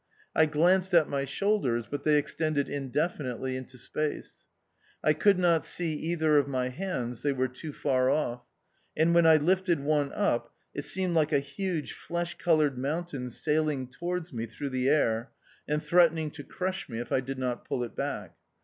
I glanced at my shoul ders, but they extended indefinitely into space ; I could not see either of my hands, they were too far off; and when I lifted one up, it seemed like a huge flesh coloured mountain sailing towards me through the air, and threatening to crush me if I did not pull it back.